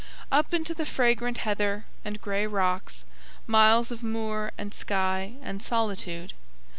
Up into the fragrant heather and grey rocks; miles of moor and sky and solitude.